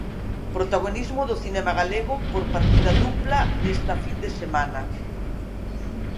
Protagonismo do cinema galego por partida dupla nesta fin de semana.